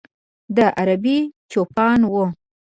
د ه عربي چوپانان و.